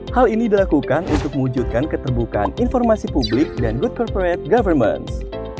hal ini dilakukan untuk mewujudkan keterbukaan informasi publik dan good corporate government